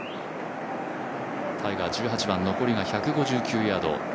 タイガー、１８番残りが１５９ヤード。